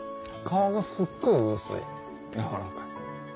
皮がすっごい薄い軟らかい。